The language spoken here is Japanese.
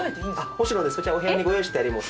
もちろんですお部屋にご用意してあります